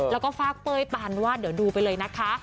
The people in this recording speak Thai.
แล้วก็ฝากเป้ยปานวาดเดี๋ยวดูไปเลยนะคะ